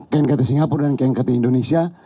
kkt singapura dan kkt indonesia